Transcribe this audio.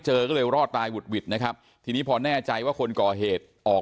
ก็เลยรอดตายหุดหวิดนะครับทีนี้พอแน่ใจว่าคนก่อเหตุออก